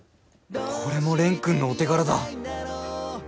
これも蓮くんのお手柄だ。